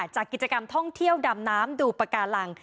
จากกิจกรรมท่องเที่ยวดำน้ำดูปากการัง